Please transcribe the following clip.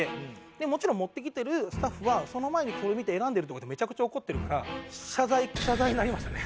もちろん持ってきてるスタッフはその前にそれ見て選んでるって事はめちゃくちゃ怒ってるから謝罪になりましたね。